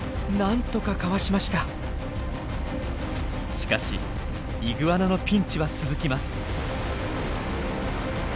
しかしイグアナのピンチは続きます。